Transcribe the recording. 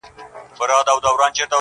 او د قبرونو پر کږو جنډيو!